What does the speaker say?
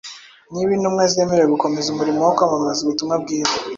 niba intumwa zemerewe gukomeza umurimo wo kwamamaza ubutumwa bwiza.